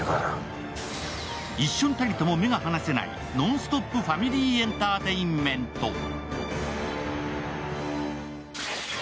一瞬たりとも目が離せないノンストップファミリーエンターテインメント。